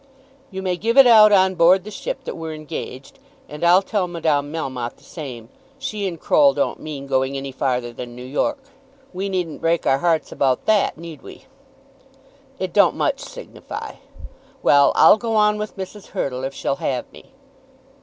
"You may give it out on board the ship that we're engaged, and I'll tell Madame Melmotte the same. She and Croll don't mean going any farther than New York." "We needn't break our hearts about that; need we?" "It don't much signify. Well; I'll go on with Mrs. Hurtle, if she'll have me."